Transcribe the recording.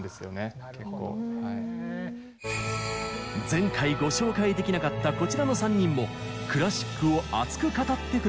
前回ご紹介できなかったこちらの３人もクラシックを熱く語ってくれました。